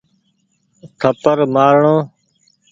ٿپڙ مآر ڻو۔